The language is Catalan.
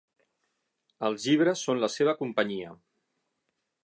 Els llibres són la seva companyia.